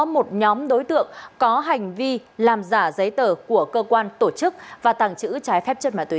một nhóm đối tượng có hành vi làm giả giấy tờ của cơ quan tổ chức và tàng trữ trái phép chất ma túy